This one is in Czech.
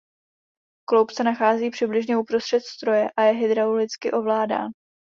Kloub se nachází přibližně uprostřed stroje a je hydraulicky ovládán.